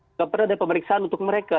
tidak pernah ada pemeriksaan untuk mereka